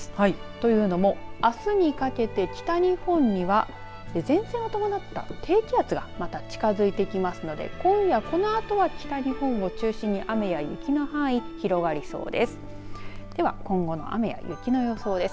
というのも、あすにかけて北日本には、前線を伴った低気圧がまた近づいてきますので今夜、このあとは北日本を中心に雨や雪の範囲、広がりそうです。